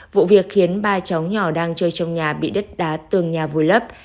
vụ việc khiến ba cháu nhỏ đang chơi trong nhà bị đất đá tường nhà vùi lấp